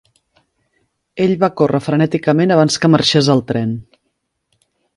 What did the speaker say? Ell va córrer frenèticament abans que marxés el tren.